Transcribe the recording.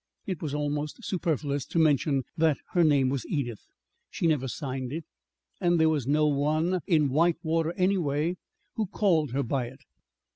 It was almost superfluous to mention that her name was Edith. She never signed it, and there was no one, in Whitewater anyway, who called her by it.